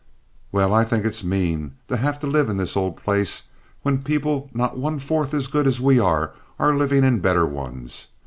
"Well, I think it's mean to have to live in this old place when people not one fourth as good as we are are living in better ones.